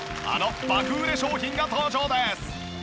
あの爆売れ商品が登場です。